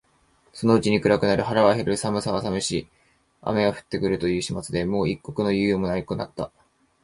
そのうちに暗くなる、腹は減る、寒さは寒し、雨が降って来るという始末でもう一刻の猶予が出来なくなった